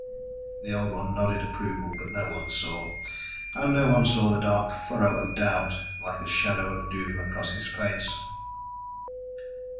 The Old One nodded approval, but no one saw; and no one saw the dark furrow of doubt like a shadow of doom across his face.